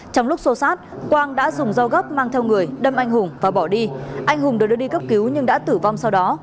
trong lúc xô sát quang đã dùng dao gấp mang theo người đâm anh hùng và bỏ đi anh hùng được đưa đi cấp cứu nhưng đã tử vong sau đó